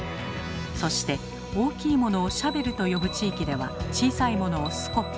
そして大きいものをシャベルと呼ぶ地域では小さいものをスコップ。